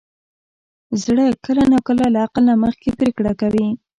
زړه کله ناکله له عقل نه مخکې پرېکړه کوي.